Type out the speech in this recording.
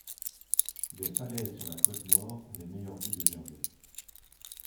Les falaises sur la côte nord ont les meilleures vues de Jersey.